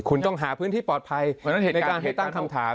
คุณต้องหาพื้นที่ปลอดภัยในการให้ตั้งคำถาม